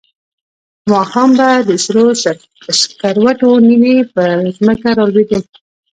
ماښام به د سرو سکروټو نینې پر ځمکه را لوېدې.